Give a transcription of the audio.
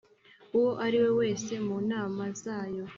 uwo ariwe wese mu nama zayo